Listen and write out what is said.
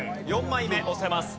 ４枚目押せます。